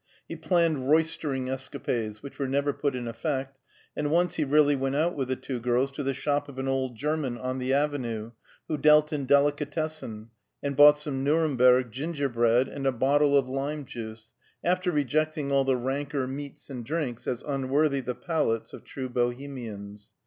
He planned roystering escapades which were never put in effect, and once he really went out with the two girls to the shop of an old German, on the Avenue, who dealt in delicatessen, and bought some Nuremberg gingerbread and a bottle of lime juice, after rejecting all the ranker meats and drinks as unworthy the palates of true Bohemians.